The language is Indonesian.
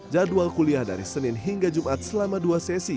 jadwal kuliah dari senin hingga jumat selama dua sesi